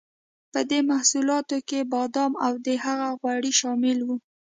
په دې محصولاتو کې بادام او د هغه غوړي شامل وو.